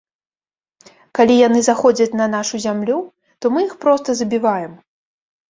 Калі яны заходзяць на нашу зямлю, то мы іх проста забіваем.